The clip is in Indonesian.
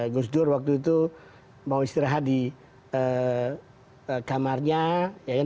gus dur waktu itu mau istirahat di kamarnya ya kan